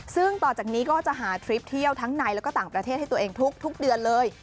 ซึ่งต่อจากนี้ก็จะหาทริปเที่ยวทั้งในแล้วก็ต่างประเทศให้ตัวเองทุกเดือนเลย